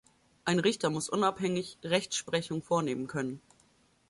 Ein Richter muss unabhängig Rechtsprechung vornehmen können.